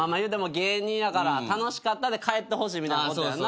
芸人やから「楽しかった」で帰ってほしいみたいなことやな。